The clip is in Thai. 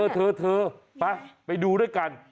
เธอไปไปดูด้วยกัน